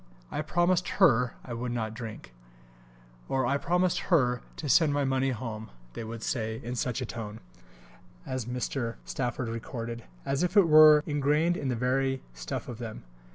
"I promised Her I would not drink," or "I promised Her to send my money home," they would say, "in such a tone," as Mr. Stafford recorded, "as if it were ingrained in the very stuff of them."